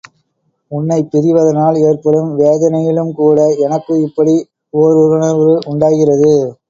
உன்னைப் பிரிவதனால் ஏற்படும் வேதனையிலும்கூட எனக்கு இப்படி ஓருணர்வு உண்டாகிறது!